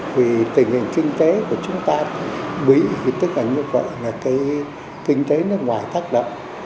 vì tình hình kinh tế của chúng ta bị tất cả như vậy là cái kinh tế nó ngoài tác động